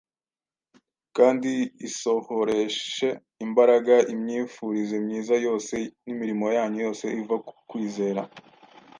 kandi isohoreshe imbaraga imyifurize myiza yose n’imirimo yanyu yose iva ku kwizera: